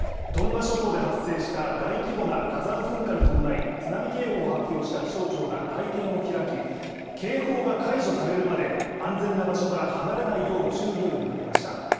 トンガ諸島で発生した大規模な火山噴火に伴い、津波警報を発表した気象庁が会見を開き、警報が解除されるまで、安全な場所から離れないよう注意を呼び掛けました。